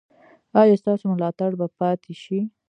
ایا ستاسو ملاتړ به پاتې شي؟